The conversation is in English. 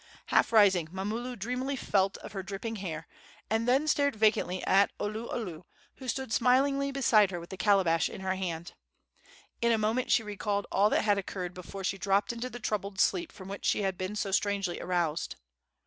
Half rising, Mamulu dreamily felt of her dripping hair, and then stared vacantly at Oluolu, who stood smilingly beside her with the calabash in her hand. In a moment she recalled all that had occurred before she dropped into the troubled sleep from which she had been so strangely aroused.